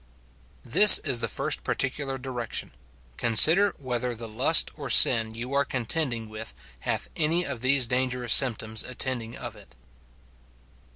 This is the first particular direction : Consider whether 232 MORTIFICATION OF the lust or sin you are contending with hath any of these dangerous symptoms attending of it.